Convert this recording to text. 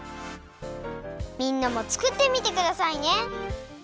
みんなもつくってみてくださいね。